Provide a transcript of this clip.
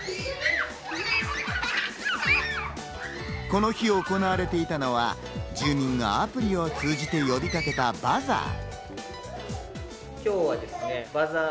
この日行われていたのは、住民がアプリを通じて呼びかけたバザー。